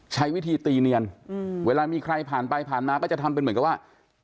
ใช้วิธีตีเนียนเวลามีใครผ่านไปผ่านมาก็จะทำเป็นเหมือนกับว่า